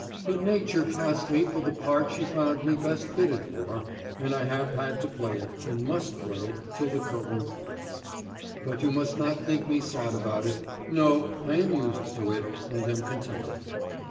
But Nature cast me for the part she found me best fitted for, and I have had to play it, and must play it till the curtain falls. But you must not think me sad about it. No; I am used to it, and am contented.